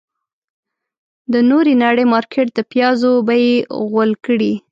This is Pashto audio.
د نورې نړۍ مارکيټ د پيازو بيې غول کړې.